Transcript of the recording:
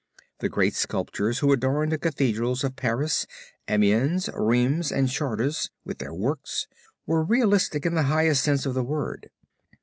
The great sculptors who adorned the Cathedrals of Paris, Amiens, Rheims, and Chartres with their works, were realists in the highest sense of the word.